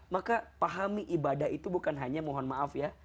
maka pahami ibadah itu bukan hanya mohon maaf ya